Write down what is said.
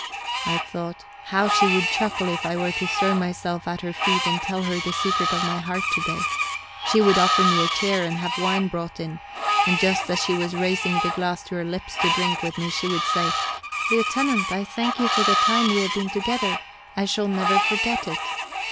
I thought: How she would chuckle if I were to throw myself at her feet and tell her the secret of my heart to day! She would offer me a chair and have wine brought in, and just as she was raising the glass to her lips to drink with me, she would say: "Lieutenant, I thank you for the time we have been together. I shall never forget it!"